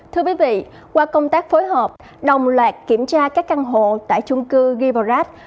thưa quý vị qua công tác phối hợp đồng loạt kiểm tra các căn hộ tại trung cư ghi bà rát